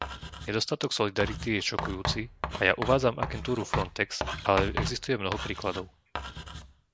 Nedostatok solidarity je šokujúci a ja uvádzam agentúru Frontex, ale existuje mnoho príkladov.